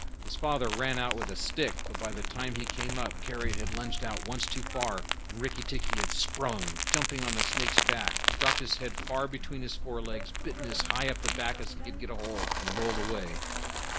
His father ran out with a stick, but by the time he came up, Karait had lunged out once too far, and Rikki tikki had sprung, jumped on the snake's back, dropped his head far between his forelegs, bitten as high up the back as he could get hold, and rolled away.